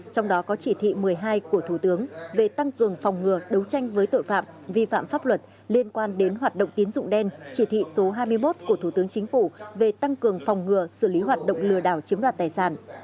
trong đó có chỉ thị một mươi hai của thủ tướng về tăng cường phòng ngừa đấu tranh với tội phạm vi phạm pháp luật liên quan đến hoạt động tín dụng đen chỉ thị số hai mươi một của thủ tướng chính phủ về tăng cường phòng ngừa xử lý hoạt động lừa đảo chiếm đoạt tài sản